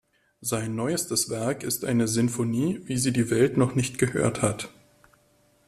Sein neuestes Werk ist eine Sinfonie, wie sie die Welt noch nicht gehört hat.